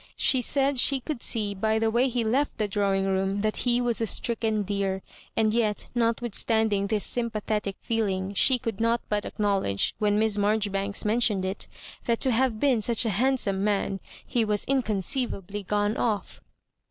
She said she could see, by the way he left the drawing room, that he was a stricken deer; and yet, notwith standing this sympathetic feeling, i^e could not but acknowledge, when Miss Maijoribanks men tioned it, that to have been such a handsome man, he was inconceivably gone off.